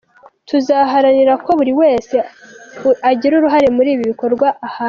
Tuzaharanira ko buri wese ugira uruhare muri ibi bikorwa ahanwa.